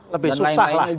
lebih susah lah